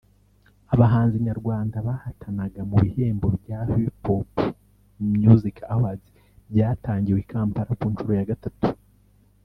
Abahanzi nyarwanda bahatanaga mu bihembo bya Hipipo Music Awards byatangiwe i Kampala ku nshuro ya gatatu